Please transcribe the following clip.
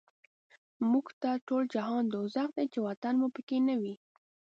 موږ ته ټول جهان دوزخ دی، چی وطن مو په کی نه وی